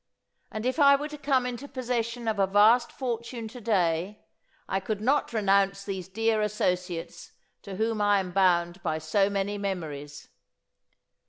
And if I were to come into possession of a vast fortune to day I could not renounce these dear associates to whom I am bound by so many memories.